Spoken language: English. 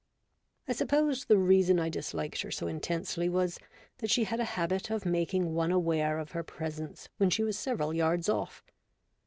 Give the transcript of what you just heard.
I suppose the reason I disliked her so intensely was, that she had a habit of making one aware of her presence when she was several yards off.